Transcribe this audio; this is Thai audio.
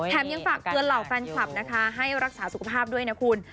ยังฝากเตือนเหล่าแฟนคลับนะคะให้รักษาสุขภาพด้วยนะคุณ